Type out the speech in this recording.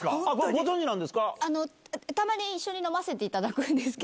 ご存じなんですか？